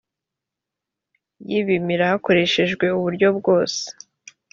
y ibimyira hakoreshejwe uburyo bwose